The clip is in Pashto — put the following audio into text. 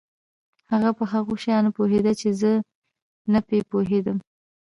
هغه په هغو شیانو پوهېده چې زه نه په پوهېدم.